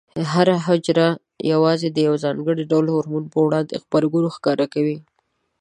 هره حجره یوازې د یو ځانګړي ډول هورمون په وړاندې غبرګون ښکاره کوي.